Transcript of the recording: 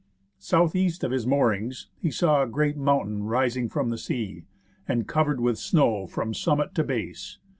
South east of his moorings, he saw a great mountain rising from the sea, and covered with snow from summit to base.